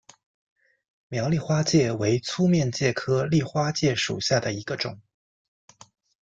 苗栗丽花介为粗面介科丽花介属下的一个种。